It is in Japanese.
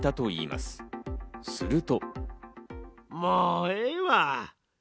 すると。